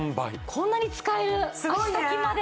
こんなに使える足先まで。